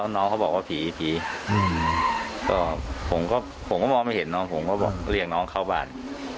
น้องเขาบอกว่าผีผมก็มองไม่เห็นผมก็เรียกน้องเข้าบ้าน